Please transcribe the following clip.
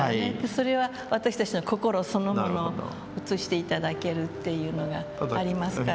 それは私たちの心そのものを映して頂けるっていうのがありますから。